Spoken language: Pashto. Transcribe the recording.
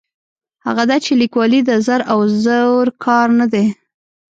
هغه دا چې لیکوالي د زر او زور کار نه دی.